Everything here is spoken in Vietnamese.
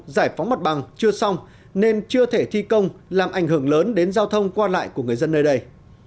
giải phóng mặt bằng chưa xong nên chưa thể thi công làm ảnh hưởng lớn đến giao thông qua lại của người dân nơi đây